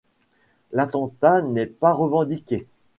L'attentat n'est pas revendiqué.